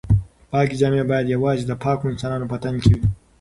پاکې جامې باید یوازې د پاکو انسانانو په تن کې وي.